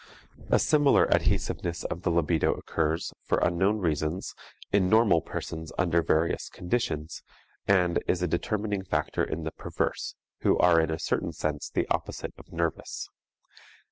A similar adhesiveness of the libido occurs for unknown reasons in normal persons under various conditions, and is a determining factor in the perverse, who are in a certain sense the opposite of nervous.